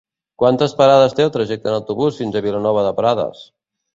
Quantes parades té el trajecte en autobús fins a Vilanova de Prades?